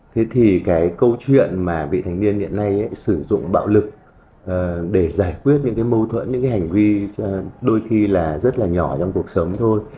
thế thì cái câu chuyện mà bị thành niên hiện nay sử dụng bạo lực để giải quyết những cái mâu thuẫn những cái hành vi đôi khi là rất là nhỏ trong cuộc sống thôi